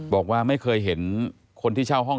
บอกว่าไม่เคยเห็นคนที่เช่าห้อง